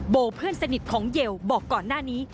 เพื่อนสนิทของเยลบอกก่อนหน้านี้